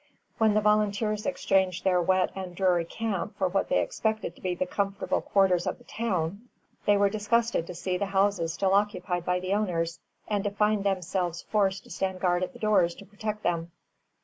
When the volunteers exchanged their wet and dreary camp for what they expected to be the comfortable quarters of the town, they were disgusted to see the houses still occupied by the owners, and to find themselves forced to stand guard at the doors, to protect them.